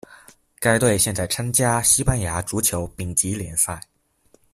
该队现在参加西班牙足球丙级联赛。